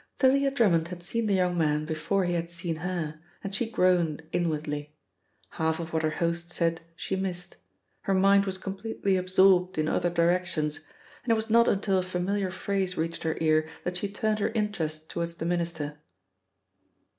Thalia Drummond had seen the young man before he had seen her, and she groaned inwardly. Half of what her host said she missed; her mind was completely absorbed in other directions, and it was not until a familiar phrase reached her ear that she turned her interest toward the Minister.